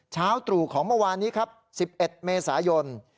เช้าตรู่ของเมื่อวานนี้ครับ๑๑เมษายน